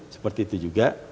seperti itu juga